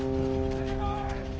出てこい！